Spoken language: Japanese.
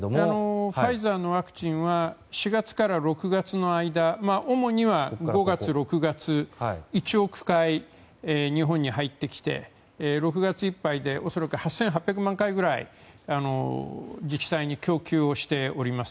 ファイザーのワクチンは４月から６月の間主には５月、６月１億回日本に入ってきて６月いっぱいで恐らく８８００万回ぐらい自治体に供給をしております。